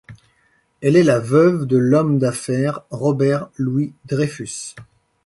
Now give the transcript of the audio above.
Elle est la veuve de l'homme d'affaires Robert Louis-Dreyfus.